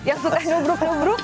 yang suka nubruk nubruk